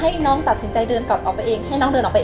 ให้น้องตัดสินใจเดินกลับออกไปเองให้น้องเดินออกไป